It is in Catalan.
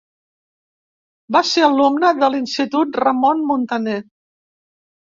Va ser alumne de l'Institut Ramon Muntaner.